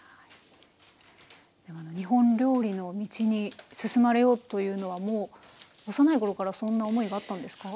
日本料理の道に進まれようというのは幼い頃からそんな思いがあったんですか？